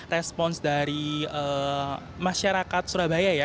respons dari masyarakat surabaya ya